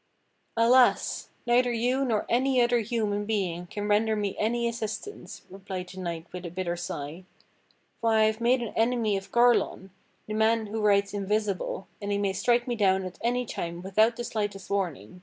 ^" "Alas! neither you nor any other human being can render me any assistance," replied the knight with a bitter sigh. "For I have 100 THE STORY OF KING ARTHUR made an enemy of Garlon, the man who rides invisible, and he may strike me down at any time without the slightest warning."